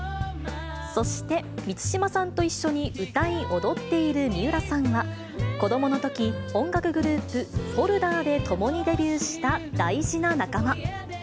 そして満島さんと一緒に歌い踊っている三浦さんは、子どものとき、音楽グループ、Ｆｏｌｄｅｒでともにデビューした大事な仲間。